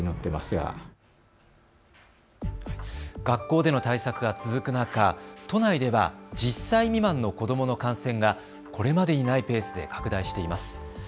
学校での対策が続く中、都内では１０歳未満の子どもの感染がこれまでにないペースで拡大しています。